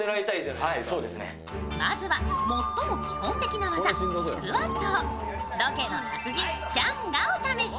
まずは最も基本的な技スクワット。